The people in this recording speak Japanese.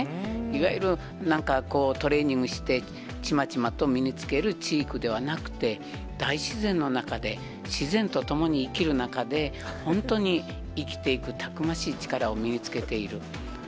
いわゆるなんかこう、トレーニングして、ちまちまと身につける知育ではなくて、大自然の中で、自然と共に生きる中で、本当に生きていくたくましい力を身に着けている。